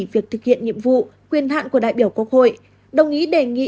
việc thực hiện nhiệm vụ quyền hạn của đại biểu quốc hội đồng ý đề nghị